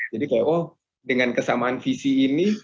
jadi dengan kesamaan visi ini